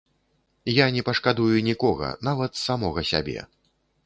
Я не пашкадую нікога, нават самога сябе!